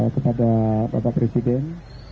kepada bapak presiden